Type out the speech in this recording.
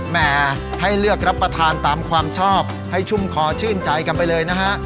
แหมให้เลือกรับประทานตามความชอบให้ชุ่มคอชื่นใจกันไปเลยนะฮะ